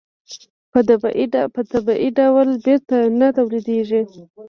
په طبیعي ډول بېرته نه تولیدېږي.